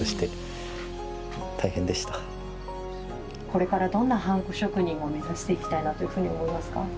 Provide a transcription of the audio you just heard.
これから、どんなハンコ職人を目指していきたいなというふうに思いますか。